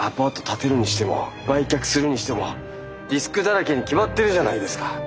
建てるにしても売却するにしてもリスクだらけに決まってるじゃないですか。